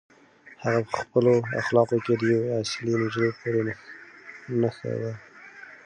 هغه په خپلو اخلاقو کې د یوې اصیلې نجلۍ پوره نښه وه.